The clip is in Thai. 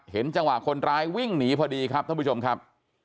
จังหวะคนร้ายวิ่งหนีพอดีครับท่านผู้ชมครับ